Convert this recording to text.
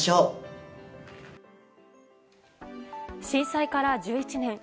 震災から１１年。